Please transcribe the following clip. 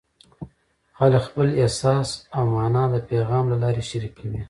خلک خپل احساس او مانا د پیغام له لارې شریکوي.